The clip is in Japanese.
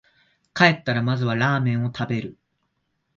帰ったらまずはラーメン食べる